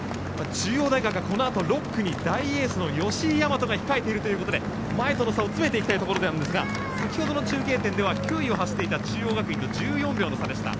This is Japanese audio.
中央大学はこのあと６区に大エースの吉居大和が控えているということでうまいこと差を詰めていきたいところですが先ほどの中継点で９位を走っていた中央学院と１４秒差でした。